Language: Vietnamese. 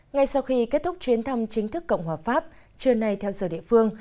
ngay sau khi kết thúc chuyến thăm chính thức cộng hòa pháp trưa nay theo giờ địa phương